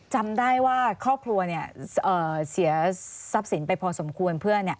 จำได้ว่าครอบครัวเสียทรัพย์สินไปพอสมควรเพื่อ